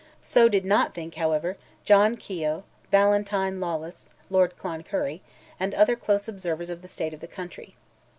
So did not think, however, John Keogh, Valentine Lawless (Lord Cloncurry), and other close observers of the state of the country.